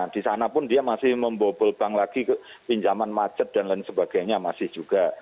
di sana pun dia masih membobol bank lagi ke pinjaman macet dan lain sebagainya masih juga